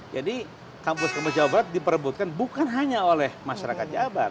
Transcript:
jadi kampus kampus jawa barat diperebutkan bukan hanya oleh masyarakat jabar